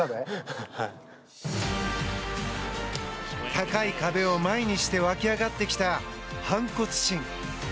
高い壁を前にして湧き上がってきた反骨心。